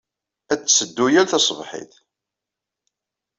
Ad tetteddu yal taṣebḥit.